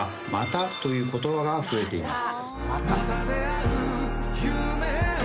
という言葉が増えています。